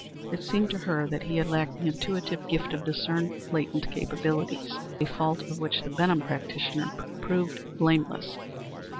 It seemed to her that he had lacked the intuitive gift to discern latent capabilities a fault of which the Benham practitioner proved blameless.